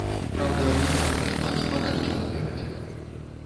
Праўда, не надта шмат ствараючы наперадзе.